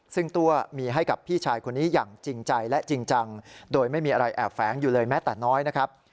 ซึ่งตัวมีให้กับพี่ชายคนนี้อย่างจริงใจและจริงจังโดยไม่มีอะไรแอบแฝงอยู่เลยแม้แต่น้อยนะครับ